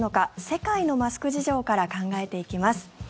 世界のマスク事情から考えていきます。